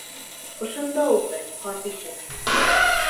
Ошонда ултыр, ҡарт ишәк.